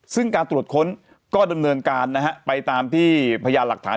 ซึ่งการตรวจค้นก็ดำเนินการนะฮะไปตามที่พยานหลักฐาน